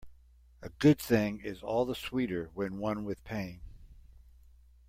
A good thing is all the sweeter when won with pain.